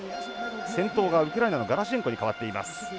先頭がウクライナのガラシェンコに変わっています。